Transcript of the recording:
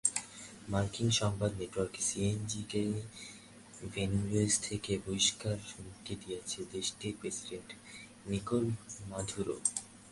মার্কিন সংবাদ নেটওয়ার্ক সিএনএনকে ভেনেজুয়েলা থেকে বহিষ্কারের হুমকি দিয়েছেন দেশটির প্রেসিডেন্ট নিকোলা মাদুরো।